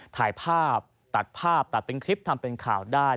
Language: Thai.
ถ่ายภาพตัดภาพตัดเป็นคลิปทำเป็นข่าวได้